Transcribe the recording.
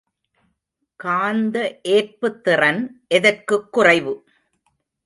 காந்த ஏற்புத்திறன் எதற்குக் குறைவு?